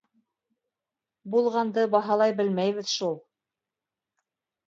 Булғанды баһалай белмәйбеҙ шул.